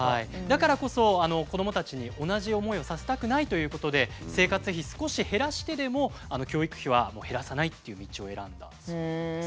だからこそ子どもたちに同じ思いをさせたくないということで生活費少し減らしてでも教育費は減らさないっていう道を選んだそうなんです。